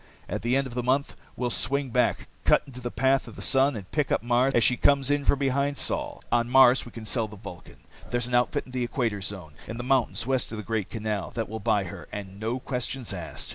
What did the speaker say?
"At the end of the month, we'll swing back, cut into the path of the sun, and pick up Mars as she comes in from behind Sol. "On Mars, we can sell the Vulcan. There's an outfit in the Equator Zone, in the mountains west of the Great Canal, that will buy her and no questions asked.